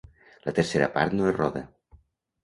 La tercera part no es roda.